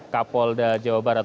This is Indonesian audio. pak polda jawa barat